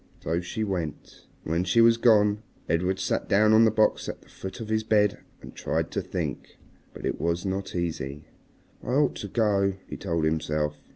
So she went. And when she was gone Edred sat down on the box at the foot of his bed and tried to think. But it was not easy. "I ought to go," he told himself.